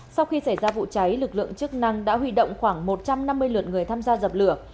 sau khi xảy ra vụ cháy lực lượng chức năng đã huy động khoảng một trăm năm mươi lượt người tham gia dập lửa